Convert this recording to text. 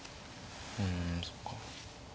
うんそっか。